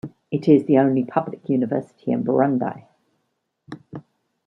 It is the only public university in Burundi.